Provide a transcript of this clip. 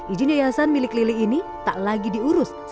ijin yayasan milik lili ini tak lagi diundang